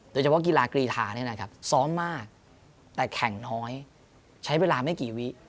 โดยเฉพาะกีฬากรีธาเนี่ยนะครับซ้อมมากแต่แข่งน้อยใช้เวลาไม่กี่วิ